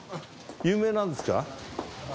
有名なんですか？